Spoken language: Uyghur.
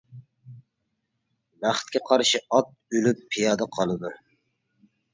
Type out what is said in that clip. بەختكە قارشى ئات ئۆلۈپ پىيادە قالىدۇ.